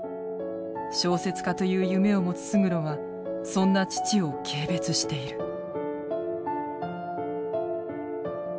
小説家という夢を持つ勝呂はそんな父を軽蔑している。